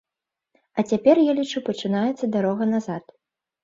А цяпер, я лічу, пачынаецца дарога назад.